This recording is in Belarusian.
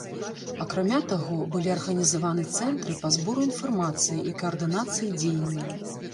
Акрамя таго, былі арганізаваны цэнтры па зборы інфармацыі і каардынацыі дзеянняў.